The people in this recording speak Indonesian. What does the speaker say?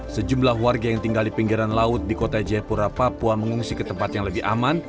sejumlah warga yang tinggal di pinggiran laut di kota jayapura papua mengungsi ke tempat yang lebih aman